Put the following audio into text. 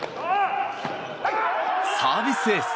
サービスエース！